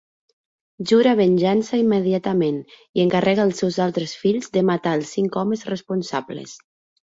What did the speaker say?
Jura venjança immediatament i encarrega els seus altres fills de matar els cinc homes responsables.